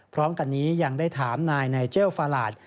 พร้อมกันนี้ยังได้ถามนายไนเจลฟาหลาด